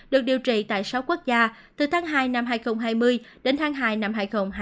được điều trị tại sáu quốc gia từ tháng hai năm hai nghìn hai mươi đến tháng hai năm hai nghìn hai mươi